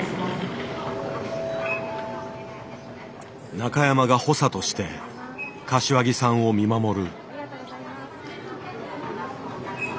中山が補佐として柏木さんを見守る。